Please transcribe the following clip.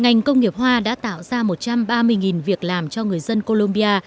ngành công nghiệp hoa đã tạo ra một trăm ba mươi việc làm cho người dân colombia